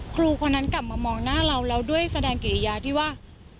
ครูคนนั้นกลับมามองหน้าเราแล้วด้วยแสดงกิริยาที่ว่า